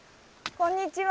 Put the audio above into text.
こんにちは。